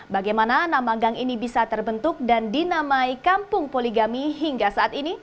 bagaimana nama gang ini bisa terbentuk dan dinamai kampung poligami hingga saat ini